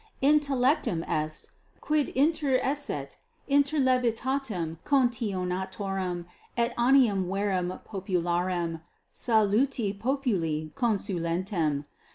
Intellectum est, quid interesset inter levitatem contionatorum et animum vere popularem, saluti populi consulentem.